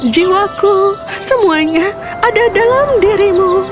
jiwaku semuanya ada dalam dirimu